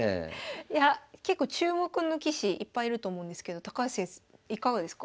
いや結構注目の棋士いっぱいいると思うんですけど高橋さんいかがですか？